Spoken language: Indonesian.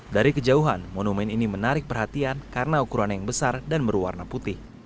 dari kejauhan monumen ini menarik perhatian karena ukuran yang besar dan berwarna putih